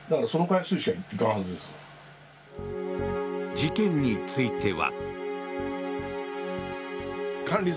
事件については。